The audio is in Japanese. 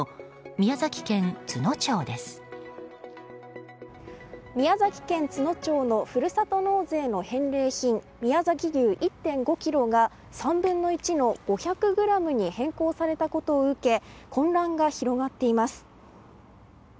宮崎県都農町のふるさと納税の返礼品宮崎牛１．５ｋｇが３分の１の５００ｇに変更されたことを受け混乱が広がっています。